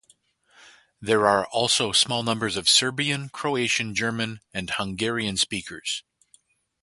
There are also small numbers of Serbian, Croatian, German, and Hungarian speakers.